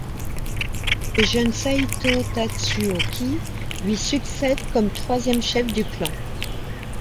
Le jeune Saitō Tatsuoki lui succède comme troisième chef du clan.